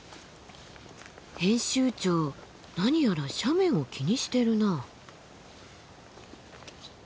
編集長何やら斜面を気にしてるなあ。